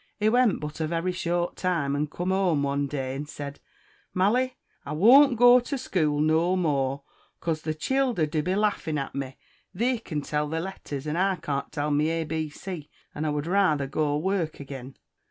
He went but a very short time, and comed hoam one day and said, "Mally, I waint go to scool no more, 'caase the childer do be laffen at me: they can tell their letters, and I caan't tell my A, B, C, and I wud rayther go to work agen."